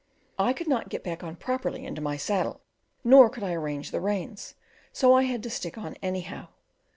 I could not get back properly into my saddle, nor could I arrange the reins; so I had to stick on anyhow.